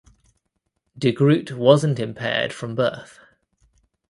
De Groot wasn’t impaired from birth.